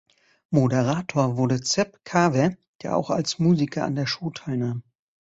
Moderator wurde Zeb Carver, der auch als Musiker an der Show teilnahm.